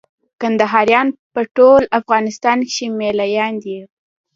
کندهاريان په ټول افغانستان کښي مېله يان دي.